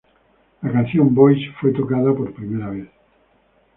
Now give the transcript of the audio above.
La canción "Boys" fue tocado por primera vez.